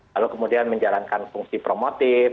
lalu kemudian menjalankan fungsi promotif